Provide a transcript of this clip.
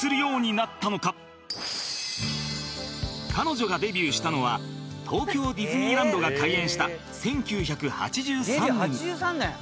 彼女がデビューしたのは東京ディズニーランドが開園した１９８３年